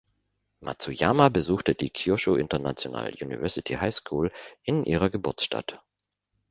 Matsuyama besuchte die Kyushu International University High School in ihrer Geburtsstadt.